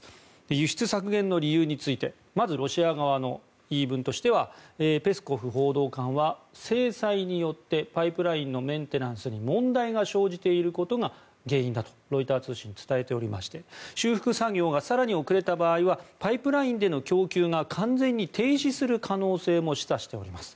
輸出削減の理由についてまずロシア側の言い分としてはペスコフ報道官は制裁によってパイプラインのメンテナンスに問題が生じていることが原因だとロイター通信は伝えておりまして修復作業が更に遅れた場合はパイプラインでの供給が完全に停止する可能性も示唆しております。